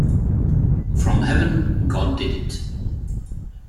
From heaven, God did it.